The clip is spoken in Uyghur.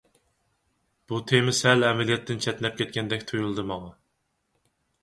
بۇ تېما سەل ئەمەلىيەتتىن چەتنەپ كەتكەندەك تۇيۇلدى ماڭا.